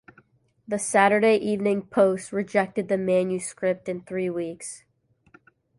"The Saturday Evening Post" rejected the manuscript in three weeks.